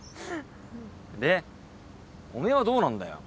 でおめえはどうなんだよ？